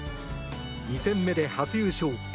２戦目で初優勝。